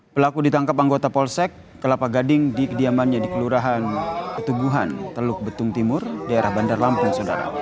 pelaku ditangkap anggota polsek kelapa gading di kediamannya di kelurahan ketuguhan teluk betung timur daerah bandar lampung saudara